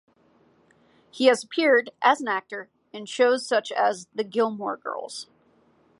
He has appeared, as an actor, in shows such as the "Gilmore Girls".